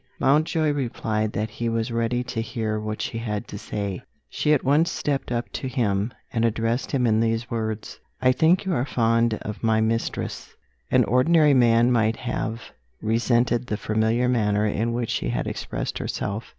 Mountjoy replied that he was ready to hear what she had to say. She at once stepped up to him, and addressed him in these words: "I think you are fond of my mistress?" An ordinary man might have resented the familiar manner in which she had expressed herself.